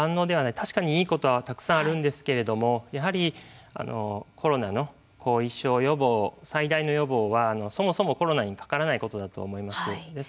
確かにいいことはたくさんあるんですけれどもやはりコロナの後遺症予防最大の予防はそもそもコロナにかからないことだと思います。